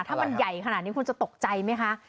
ถ้ามันใหญ่ขนาดนี้คุณจะตกใจไหมคะ